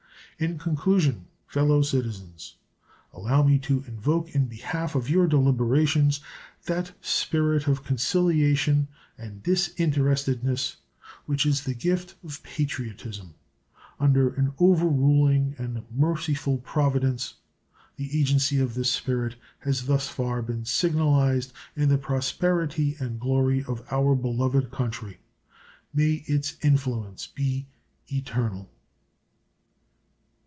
In conclusion, fellow citizens, allow me to invoke in behalf of your deliberations that spirit of conciliation and disinterestedness which is the gift of patriotism. Under an over ruling and merciful Providence the agency of this spirit has thus far been signalized in the prosperity and glory of our beloved country. May its influence be eternal.